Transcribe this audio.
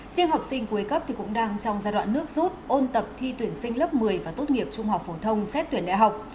riêng học sinh cuối cấp thì cũng đang trong giai đoạn nước rút ôn tập thi tuyển sinh lớp một mươi và tốt nghiệp trung học phổ thông xét tuyển đại học